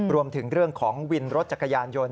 รวมถึงเรื่องของวินรถจักรยานยนต์